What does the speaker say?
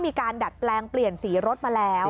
ดัดแปลงเปลี่ยนสีรถมาแล้ว